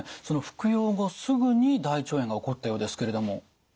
その服用後すぐに大腸炎が起こったようですけれども。